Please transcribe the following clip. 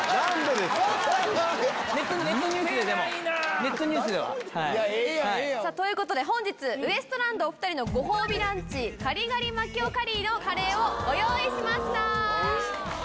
ネットニュースでは。ということでウエストランドのお２人のご褒美ランチカリガリマキオカリーのカレーをご用意しました。